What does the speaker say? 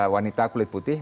wanita kulit putih